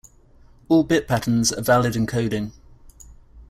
All bit patterns are valid encoding.